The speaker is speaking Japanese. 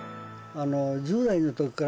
あの１０代の時から？